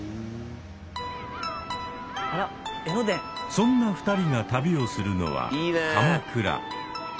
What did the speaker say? そんな２人が旅をするのは鎌倉。